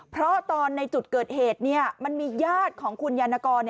เพราะตอนในจุดเกิดเหตุมันมีญาติของคุณยานกร